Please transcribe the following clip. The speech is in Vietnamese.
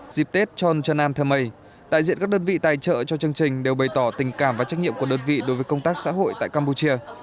dịp tết chon trần nam thơ mây đại diện các đơn vị tài trợ cho chương trình đều bày tỏ tình cảm và trách nhiệm của đơn vị đối với công tác xã hội tại campuchia